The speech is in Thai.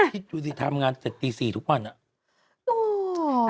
พี่จุฏิทำงานจากตี๔ทุกวันอะ